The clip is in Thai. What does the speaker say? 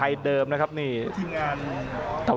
อัศวินาศาสตร์